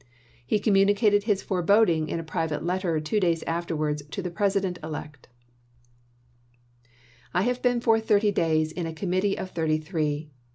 He communicated his forebod ings in a private letter, two days afterwards, to the President elect : I have been for thirty days in a Committee of Thirty three.